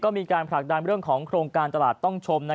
มีการผลักดันเรื่องของโครงการตลาดต้องชม